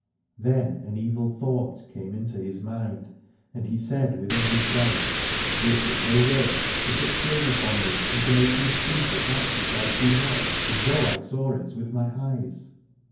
Then an evil thought came into his mind, and he said within himself, This is her will, to put shame upon me, and to make me speak of that which I see not, as though I saw it with my eyes.